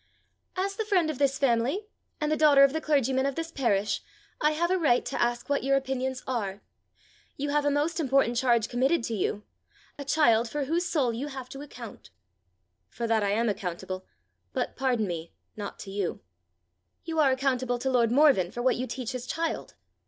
"As the friend of this family, and the daughter of the clergyman of this parish, I have a right to ask what your opinions are: you have a most important charge committed to you a child for whose soul you have to account!" "For that I am accountable, but, pardon me, not to you." "You are accountable to lord Morven for what you teach his child."